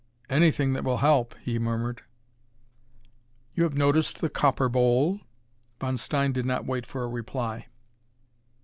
"Anything that will help," he murmured. "You have noticed that copper bowl?" Von Stein did not wait for a reply.